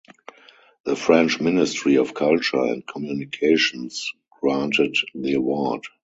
The French Ministry of Culture and Communications granted the award.